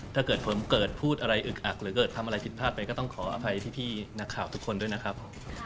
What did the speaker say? ถ้าเกิดผมเกิดพูดอะไรอึกอักหรือเกิดทำอะไรผิดพลาดไปก็ต้องขออภัยพี่นักข่าวทุกคนด้วยนะครับผม